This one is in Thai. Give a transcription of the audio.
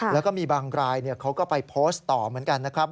แล้วก็มีบางรายเขาก็ไปโพสต์ต่อเหมือนกันนะครับ